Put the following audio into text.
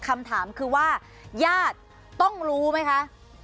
คำถามคือว่าญาติต้องรู้ไหมคะ